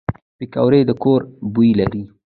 پکورې د کور بوی لري